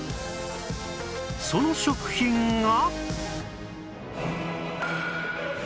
その食品が